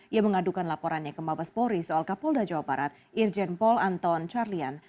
yang mengadukan laporannya ke mabes polri soal kapolda jawa barat irjen paul anton carlyan